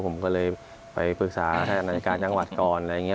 ผมก็เลยไปปรึกษาท่านอายการจังหวัดก่อนอะไรอย่างนี้